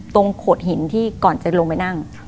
โขดหินที่ก่อนจะลงไปนั่ง